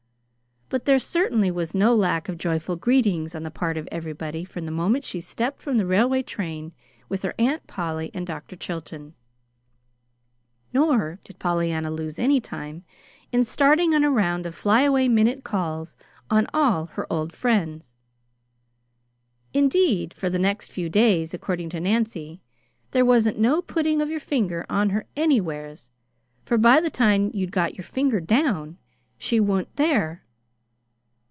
But there certainly was no lack of joyful greetings on the part of everybody from the moment she stepped from the railway train with her Aunt Polly and Dr. Chilton. Nor did Pollyanna lose any time in starting on a round of fly away minute calls on all her old friends. Indeed, for the next few days, according to Nancy, "There wasn't no putting of your finger on her anywheres, for by the time you'd got your finger down she wa'n't there."